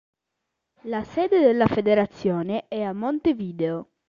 La sede della federazione è a Montevideo.